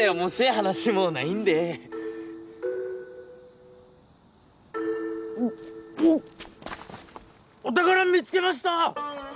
話もないんでおッお宝見つけました！